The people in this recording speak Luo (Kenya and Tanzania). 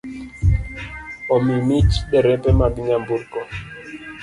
Omi mich derepe mag nyamburko